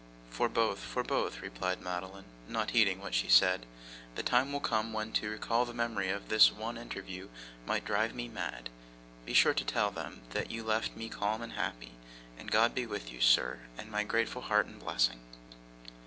'For both, for both,' replied Madeline, not heeding what she said. 'The time will come when to recall the memory of this one interview might drive me mad. Be sure to tell them, that you left me calm and happy. And God be with you, sir, and my grateful heart and blessing!